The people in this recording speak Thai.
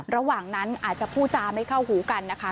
ระหว่างนั้นอาจจะพูดจาไม่เข้าหูกันนะคะ